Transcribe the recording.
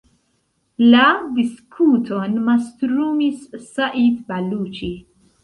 La diskuton mastrumis Said Baluĉi.